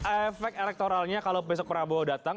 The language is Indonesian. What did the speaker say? efek elektoralnya kalau besok prabowo datang